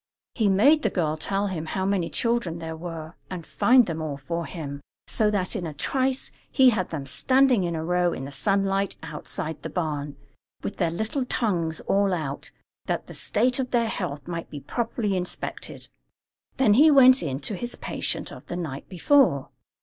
He made the girl tell him how many children there were, and find them all for him, so that in a trice he had them standing in a row in the sunlight outside the barn, with their little tongues all out, that the state of their health might be properly inspected. Then he went in to his patient of the night before.